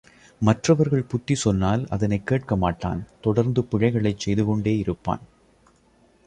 மற்றவர்கள் புத்தி சொன்னால் அதனைக் கேட்க மாட்டான் தொடர்ந்து பிழைகளைச் செய்துகொண்டே இருப்பான்.